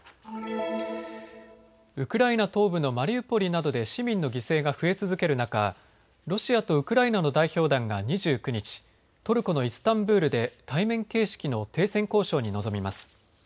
ウクライナ東部のマリウポリなどで市民の犠牲が増え続ける中、ロシアとウクライナの代表団が２９日、トルコのイスタンブールで対面形式の停戦交渉に臨みます。